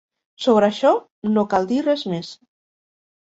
Sobre això, no cal dir res més.